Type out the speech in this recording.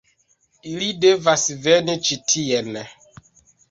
Ili devas veni ĉi tien.